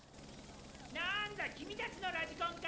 ・何だ君たちのラジコンか。